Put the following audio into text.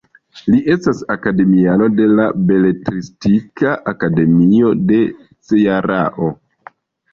Li estas akademiano de la Beletristika Akademio de Cearao.